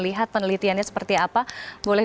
lihat penelitiannya seperti apa boleh